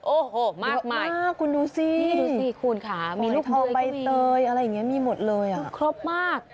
โอ้โหมากคุณดูสิฟ้อยทองใบเตยอะไรอย่างนี้มีหมดเลยอ่ะครบมาก